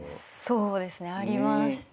そうですねありました。